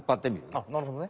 あっなるほどね。